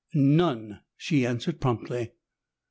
"None," she answered promptly.